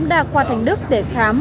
đa khoa thành đức để khám